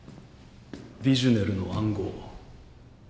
ヴィジュネルの暗号。